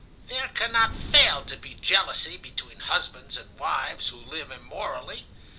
There cannot fail to be jealousy between husbands and wives who live immorally.